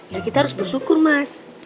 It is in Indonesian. ya kita harus bersyukur mas